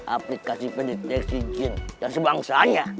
aplikasi pendeteksi jin dan sebangsanya